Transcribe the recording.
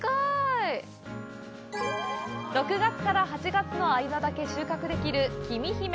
６月から８月の間だけ収穫できる「きみひめ」。